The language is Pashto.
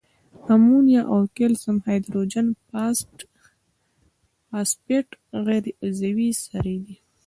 امونیا او کلسیم هایدروجن فاسفیټ غیر عضوي سرې دي.